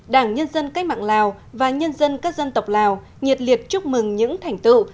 đảng nhân dân cách mạng lào và nhân dân các dân tộc lào nhiệt liệt chúc mừng những thành tựu